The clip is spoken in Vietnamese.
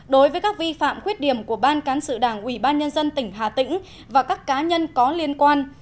đối với các vi phạm khuyết điểm của ban cán sự đảng ủy ban nhân dân tỉnh hà tĩnh và các cá nhân có liên quan